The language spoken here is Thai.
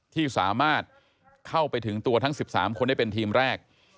ที่สามารถเข้าไปถึงตัวทั้ง๑๓คนได้เป็นทีมแรก